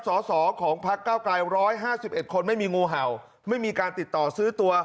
สอสอของพลักษณ์ก้าวไกรร้อยห้าสิบเอ็ดคนไม่มีงูเห่าไม่มีการติดต่อซื้อตัว